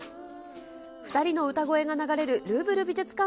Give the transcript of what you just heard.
２人の歌声が流れるルーヴル美術館